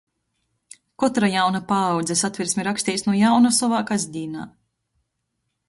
Kotra jauna paaudze Satversmi raksteis nu jauna sovā kasdīnā,